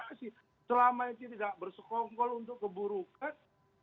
tapi selama ini tidak bersekongkol untuk keburukan